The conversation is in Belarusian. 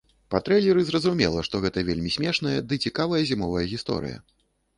Па трэйлеры зразумела, што гэта вельмі смешная ды цікавая зімовая гісторыя.